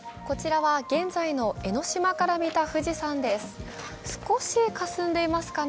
こちらは現在の江の島から見た富士山です。